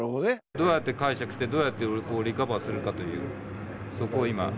どうやって解釈してどうやってリカバーするかというそこを今。